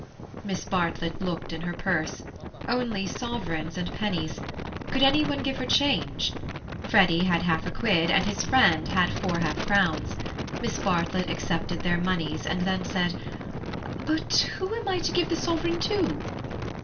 Miss Bartlett looked in her purse. Only sovereigns and pennies. Could any one give her change? Freddy had half a quid and his friend had four half crowns. Miss Bartlett accepted their moneys and then said: "But who am I to give the sovereign to?"